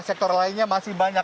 sektor lainnya masih banyak